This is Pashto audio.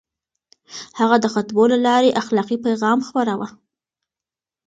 هغه د خطبو له لارې اخلاقي پيغام خپراوه.